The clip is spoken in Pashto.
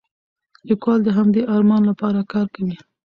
لیکوال د همدې ارمان لپاره کار کوي.